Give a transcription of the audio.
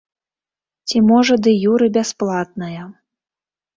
Ці можа дэ-юрэ бясплатная.